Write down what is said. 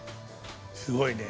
すごいね。